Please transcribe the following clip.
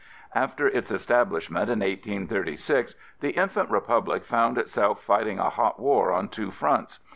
After its establishment in 1836, the infant republic found itself fighting a hot war on two fronts.